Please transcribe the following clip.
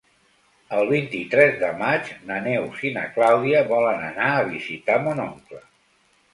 El vint-i-tres de maig na Neus i na Clàudia volen anar a visitar mon oncle.